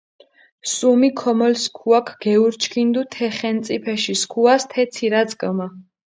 სუმი ქომოლ სქუაქ გეურჩქინდუ თე ხენწიფეში სქუას თე ცირაწკჷმა.